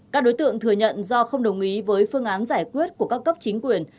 các đối tượng thừa nhận do không đồng ý với phương án giải quyết của các cấp chính quyền